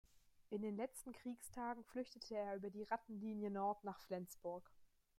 In den letzten Kriegstagen flüchtete er über die Rattenlinie Nord nach Flensburg.